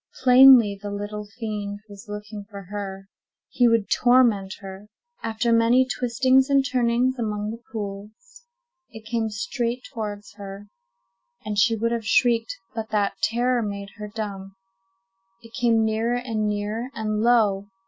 Plainly, the little fiend was looking for her—he would torment her. After many twistings and turnings among the pools, it came straight towards her, and she would have shrieked, but that terror made her dumb. It came nearer and nearer, and lo!